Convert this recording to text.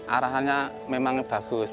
arahannya memang bagus